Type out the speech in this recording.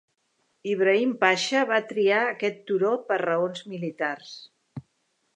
Ibrahim Pasha va triar aquest turó per raons militars.